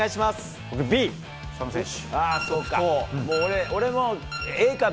僕、そうか。